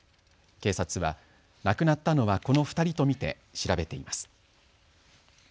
警察は、亡くなったのはこの２人と見て調べています。